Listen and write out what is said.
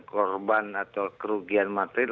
korban atau kerugian matril